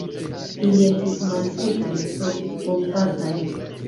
Ili estis malsekaj, sed bonfartaj.